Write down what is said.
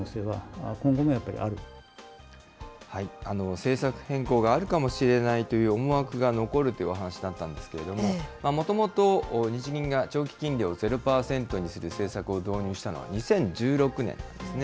政策変更があるかもしれないという思惑が残るというお話だったんですけれども、もともと日銀が長期金利をゼロ％にする政策を導入したのは２０１６年なんですね。